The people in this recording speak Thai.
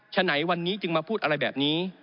ฉะไหนวันนี้จึงมาพูดอะไรแบบนี้